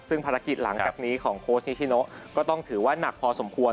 ซึ่งภารกิจหลังจากนี้ของโค้ชนิชิโนก็ต้องถือว่านักพอสมควร